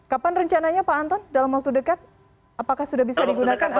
kapan rencananya pak anton dalam waktu dekat apakah sudah bisa digunakan